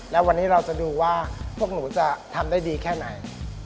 แล้ววันนี้เราจะดูว่าพวกหนูจะทำได้ดีแค่ไหน